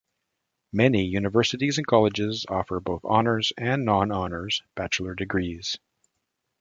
Many universities and colleges offer both honours and non-honours bachelor's degrees.